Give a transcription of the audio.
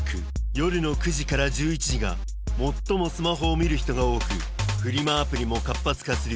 夜の９時から１１時が最もスマホを見る人が多くフリマアプリも活発化する